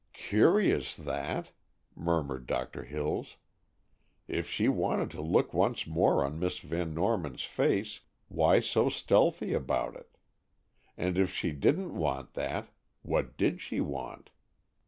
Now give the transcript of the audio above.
"Curious, that," murmured Doctor Hills. "If she wanted to look once more on Miss Van Norman's face, why so stealthy about it? And if she didn't want that, what did she want?"